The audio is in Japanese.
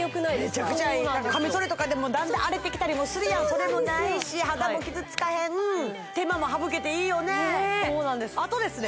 めちゃくちゃいいカミソリとかでもだんだん荒れてきたりもするやんそれもないし肌も傷つかへんねえそうなんですあとですね